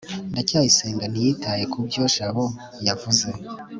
ndacyayisenga ntiyitaye kubyo jabo yavuze